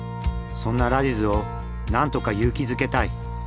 そんなラジズを何とか勇気づけたい。